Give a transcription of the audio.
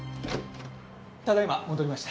ただいま戻りました。